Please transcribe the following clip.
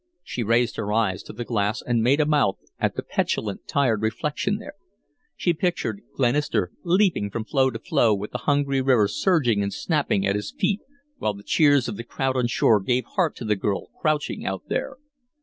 She raised her eyes to the glass and made a mouth at the petulant, tired reflection there. She pictured Glenister leaping from floe to floe with the hungry river surging and snapping at his feet, while the cheers of the crowd on shore gave heart to the girl crouching out there.